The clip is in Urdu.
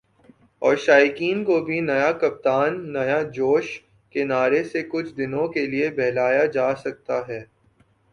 اور شائقین کو بھی "نیا کپتان ، نیا جوش" کے نعرے سے کچھ دنوں کے لیے بہلایا جاسکتا ہے